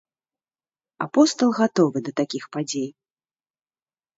Апостал гатовы да такіх падзей.